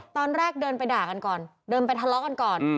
ตอนแรกเดินไปด่ากันก่อนเดินไปทะเลาะกันก่อน